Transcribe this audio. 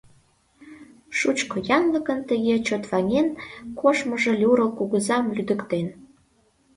Шучко янлыкын тыге чот ваҥен коштмыжо Люрл кугызам лӱдыктен.